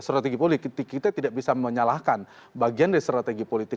strategi politik kita tidak bisa menyalahkan bagian dari strategi politik